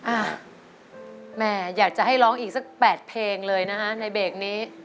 อ่ะแม่อยากจะให้ร้องอีกสัก๘เพลงเลยนะฮะในเบรกนี้